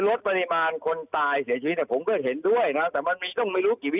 รถไม่ชนกันแล้วทุกอย่างไม่ตาย